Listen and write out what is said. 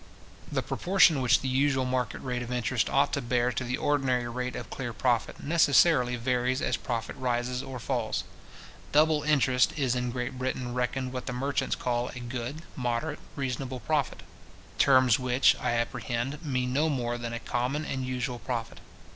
The proportion which the usual market rate of interest ought to bear to the ordinary rate of clear profit, necessarily varies as profit rises or falls. Double interest is in Great Britain reckoned what the merchants call a good, moderate, reasonable profit; terms which, I apprehend, mean no more than a common and usual profit.